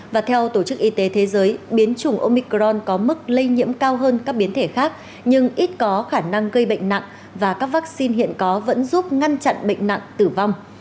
và theo tổ chức y tế thế giới biến chủng omicron có mức lây nhiễm cao hơn các biến thể khác nhưng ít có khả năng gây bệnh nặng và các vaccine hiện có vẫn giúp ngăn chặn bệnh nặng tử vong